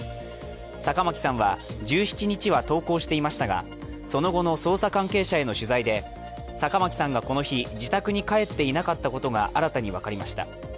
坂巻さんは１７日は登校していましたがその後の捜査関係者への取材で坂巻さんがこの日、自宅に帰っていなかったことが新たに分かりました。